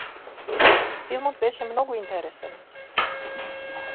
Филмот беше многу интересен.